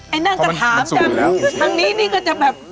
ไอ้นั่งก็ถามจ้ะทั้งนี้นี่ก็จะแบบ